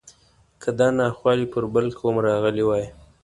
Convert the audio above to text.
که دا ناخوالې پر بل قوم راغلی وای.